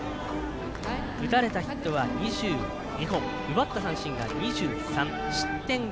打たれたヒットは２２本奪った三振が２３、失点５。